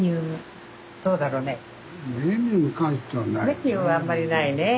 メニューはあんまりないねえ。